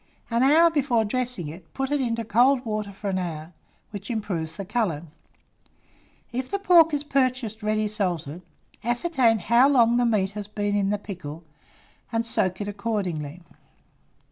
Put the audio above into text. An hour before dressing it, put it into cold water for an hour, which improves the colour. If the pork is purchased ready salted, ascertain how long the meat has been in pickle, and soak it accordingly.